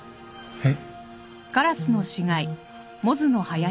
えっ。